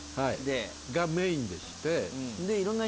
がメインでして。